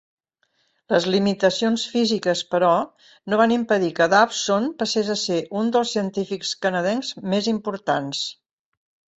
Les limitacions físiques, però, no van impedir que Dawson passés a ser un dels científics canadencs més importants.